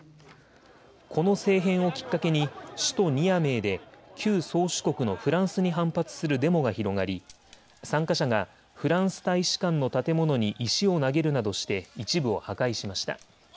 この政変をきっかけに首都ニアメーで旧宗主国のフランスに反発するデモが広がり参加者がフランス大使館の建物に石を投げるなどして一部を破壊しました。